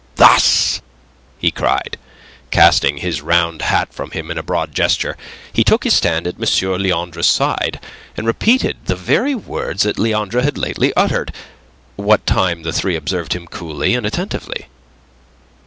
Thus," he cried, and casting his round hat from him in a broad gesture, he took his stand at M. Leandre's side, and repeated the very words that Leandre had lately uttered, what time the three observed him coolly and attentively.